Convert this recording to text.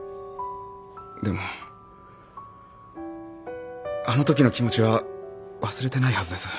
でもあのときの気持ちは忘れてないはずです。